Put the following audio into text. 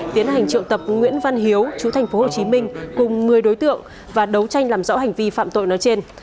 tiến hành triệu tập nguyễn văn hiếu chú thành phố hồ chí minh cùng một mươi đối tượng và đấu tranh làm rõ hành vi phạm tội nói trên